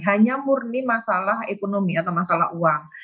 hanya murni masalah ekonomi atau masalah uang